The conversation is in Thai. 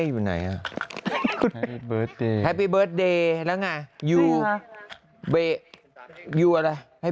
คือเขาเขียนเหมือนเป็นคำทรัพย์